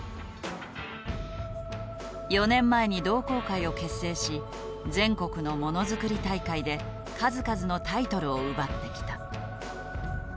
４年前に同好会を結成し全国のものづくり大会で数々のタイトルを奪ってきた。